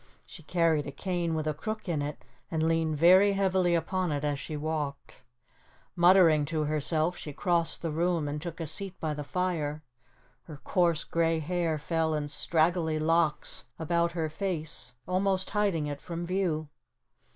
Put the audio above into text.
She carried a cane with a crook in it and leaned very heavily upon it as she walked. Muttering to herself she crossed the room and took a seat by the fire. Her coarse, gray hair fell in straggly locks about her face almost hiding it from view.